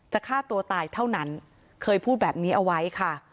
ฆ่าตัวตายเท่านั้นเคยพูดแบบนี้เอาไว้ค่ะ